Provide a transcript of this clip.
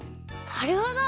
なるほど！